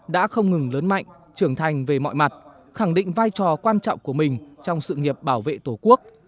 đã không ngừng lớn mạnh trưởng thành về mọi mặt khẳng định vai trò quan trọng của mình trong sự nghiệp bảo vệ tổ quốc